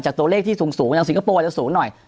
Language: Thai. ตัวเลขที่สูงอย่างสิงคโปร์จะสูงหน่อย